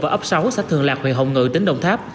một và ấp sáu sách thường lạc huyện hồng ngự tỉnh đồng tháp